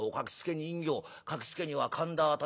書きつけには神田竪